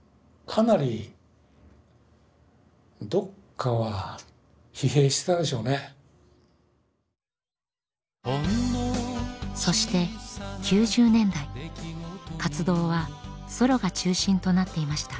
かなりどっかはそして９０年代活動はソロが中心となっていました。